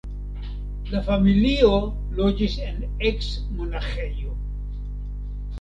La familio loĝis en eks-monaĥejo.